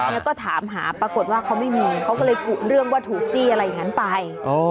แล้วก็ถามหาปรากฏว่าเขาไม่มีเขาก็เลยกุเรื่องว่าถูกจี้อะไรอย่างนั้นไป